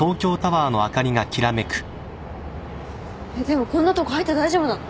でもこんなとこ入って大丈夫なの？